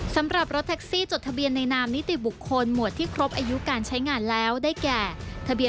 สำหรับรถแท็กซี่จดทะเบียนในนามนิติบุคคลหมวดที่ครบอายุการใช้งานแล้วได้แก่ทะเบียน